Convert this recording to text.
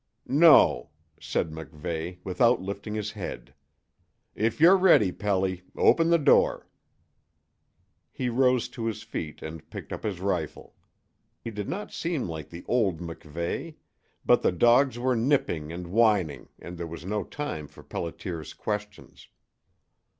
"No," said MacVeigh, without lifting his head. "If you're ready, Pelly, open the door." He rose to his feet and picked up his rifle. He did not seem like the old MacVeigh; but the dogs were nipping and whining, and there was no time for Pelliter's questions.